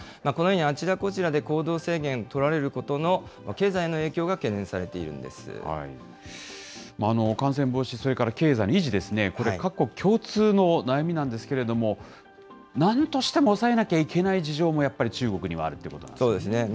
このようにあちらこちらで行動制限取られることの、経済への影響感染防止、それから経済の維持ですね、これ、各国共通の悩みなんですけれども、なんとしても抑えなきゃいけない事情も、やっぱり中国にはあるということなんそうですね。